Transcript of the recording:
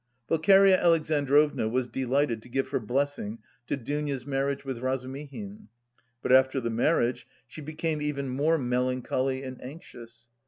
Pulcheria Alexandrovna was delighted to give her blessing to Dounia's marriage with Razumihin; but after the marriage she became even more melancholy and anxious.